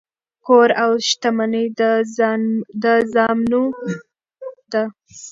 کور او شتمني د زامنو ده.